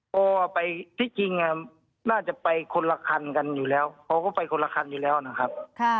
พอไปที่จริงน่าจะไปคนละคันกันอยู่แล้วเขาก็ไปคนละคันอยู่แล้วนะครับ